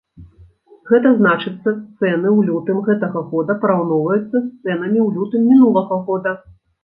Гэта значыцца цэны ў лютым гэтага года параўноўваюцца з цэнамі ў лютым мінулага года.